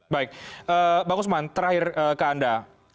baik pak guzman terakhir ke anda